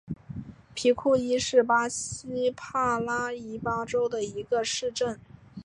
皮库伊是巴西帕拉伊巴州的一个市镇。